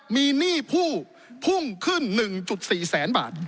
มีหนี้ผู้พุ่งขึ้นหนึ่งจุดสี่แสนบาท